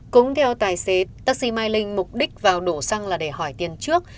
cũng theo tài xế taxi mai linh mục đích vào đổ xăng là để hỏi tiền trước